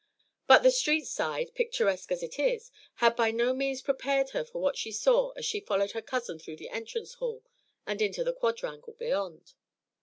But the street side, picturesque as it is, had by no means prepared her for what she saw as she followed her cousin through the entrance hall and into the quadrangle beyond.